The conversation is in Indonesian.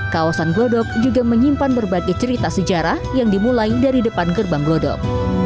kawasan glodok juga menyimpan berbagai cerita sejarah yang dimulai dari depan gerbang glodok